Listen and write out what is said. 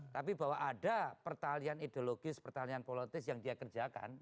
tapi bahwa ada pertalian ideologis pertalian politis yang dia kerjakan